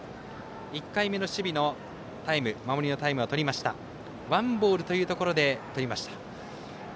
１回目の守備のタイム守りのタイムはワンボールというところでとりました。